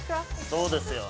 そうですよ。